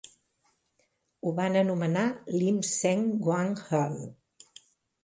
Ho van anomenar Lim Seng Guan Hall.